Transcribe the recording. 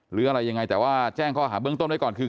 หรืออะไรยังไงแต่ว่าแจ้งข้อหาเบื้องต้นไว้ก่อนคือ